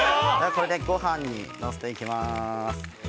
◆これでごはんに載せていきます。